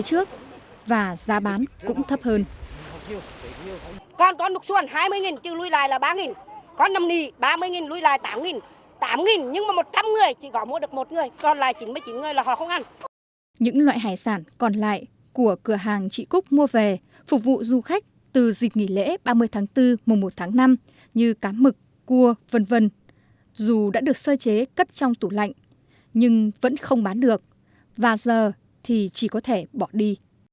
từ dịp nghỉ lễ ba mươi tháng bốn mùa một tháng năm như cá mực cua v v dù đã được sơ chế cất trong tủ lạnh nhưng vẫn không bán được và giờ thì chỉ có thể bỏ đi